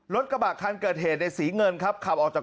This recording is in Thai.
รถกระบะคันเกิดเหตุในสีเงินครับ